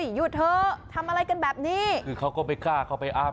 หยุดเถอะทำอะไรกันแบบนี้คือเขาก็ไม่กล้าเข้าไปอ้าง